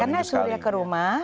karena surya ke rumah